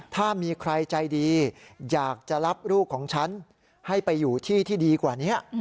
ถ้ามีใครใจดีอยากจะรับลูกของฉันให้ไปอยู่ที่ที่ดีกว่านี้